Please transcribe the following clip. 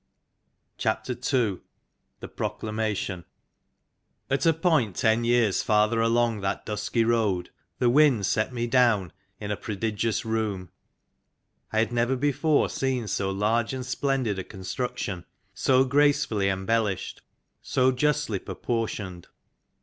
II THE PROCLAMATION AT a point ten years farther along that dusky road the Wind set me down in a prodigious room. I had never before seen so large and splendid a construction, so gracefully embellished, so justly proportioned.